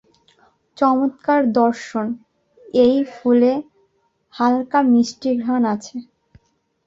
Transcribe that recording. চমৎকার দর্শন এই ফুলে হালকা মিষ্টি ঘ্রাণ আছে।